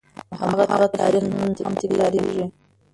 هماغه تاریخ نن هم تکرارېږي.